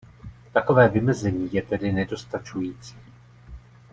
Takové vymezení je tedy nedostačující.